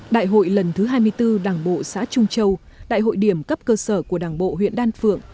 đại hội lần thứ hai mươi bốn đảng bộ xã trung châu đại hội điểm cấp cơ sở của đảng bộ huyện đan phượng